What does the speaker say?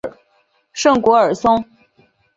圣古尔松。